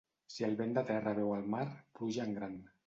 Si el vent de terra veu el mar, pluja en gran.